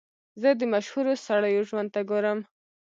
زه د مشهورو سړیو ژوند ته ګورم.